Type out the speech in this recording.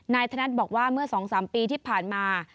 ธนัดบอกว่าเมื่อ๒๓ปีที่ผ่านมา